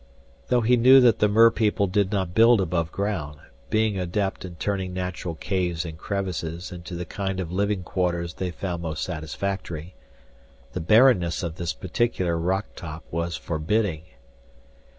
Though he knew that the merpeople did not build aboveground, being adept in turning natural caves and crevices into the kind of living quarters they found most satisfactory, the barrenness of this particular rock top was forbidding.